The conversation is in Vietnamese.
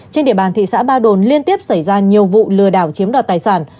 trên địa bàn thị xã ba đồn liên tiếp xảy ra nhiều vụ lừa đảo chiếm đoạt tài sản